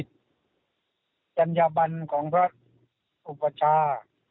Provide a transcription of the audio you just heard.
จัญญาบันของพระอุปชา